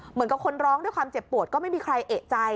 เหมือนกับคนร้องด้วยความเจ็บปวดก็ไม่มีใครเอกใจ